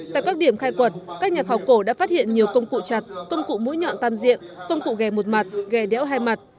tại các điểm khảo cổ học các nhà khảo cổ đã phát hiện nhiều công cụ chặt công cụ mũi nhọn tam diện công cụ ghè một mặt ghè đéo hai mặt